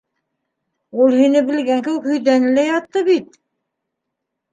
Ул һине белгән кеүек һөйҙәне лә ятты бит!